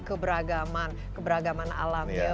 keberagaman keberagaman alamnya